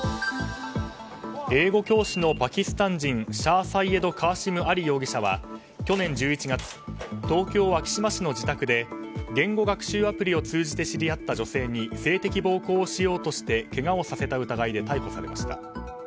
英語教師のパキスタン人シャー・サイエド・カーシム・アリ容疑者は去年１１月東京・昭島市の自宅で言語学習アプリを通じて知り合った女性に性的暴行をしようとしてけがをさせた疑いで逮捕されました。